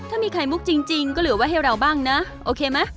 ถ้ามีไข่มุกจริงก็เหลือไว้ให้เราบ้างนะโอเคไหม